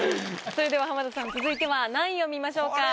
それでは浜田さん続いては何位を見ましょうか？